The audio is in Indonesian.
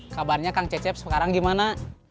kabarnya kang cecep sekarang gimana